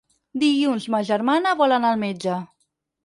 Dilluns ma germana vol anar al metge.